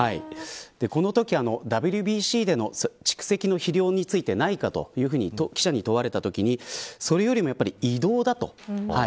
このとき、ＷＢＣでの疲労の蓄積がないかと記者に問われたときにそれよりも移動だと。